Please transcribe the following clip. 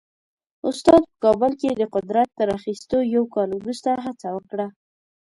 استاد په کابل کې د قدرت تر اخیستو یو کال وروسته هڅه وکړه.